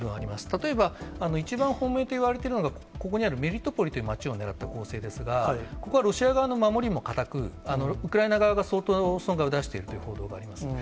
例えば、一番本命といわれているのが、ここにあるメリトポリという街を狙っている可能性ですが、ここはロシア側の守りも堅く、ウクライナ側が相当、損害を出しているという報道がありますね。